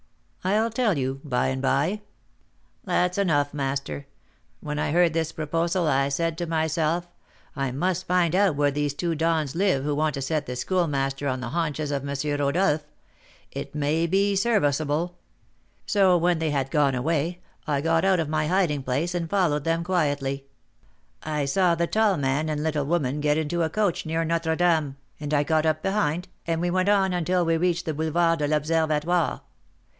"I'll tell you by and by." "That's enough, master. When I heard this proposal, I said to myself, I must find out where these two dons live who want to set the Schoolmaster on the haunches of M. Rodolph; it may be serviceable. So when they had gone away, I got out of my hiding place, and followed them quietly. I saw the tall man and little woman get into a coach near Notre Dame, and I got up behind, and we went on until we reached the Boulevard de l'Observatoire.